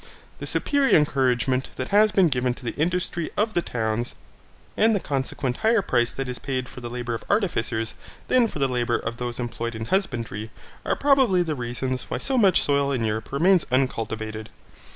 The superior encouragement that has been given to the industry of the towns, and the consequent higher price that is paid for the labour of artificers than for the labour of those employed in husbandry, are probably the reasons why so much soil in Europe remains uncultivated.